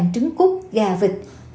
một mươi ba trứng cút gà vịt